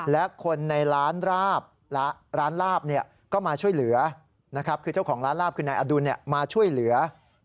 และคนในร้านลาบก็มาช่วยเหลือนะครับคือเจ้าของร้านลาบคือนายอดุลมาช่วยเหลือ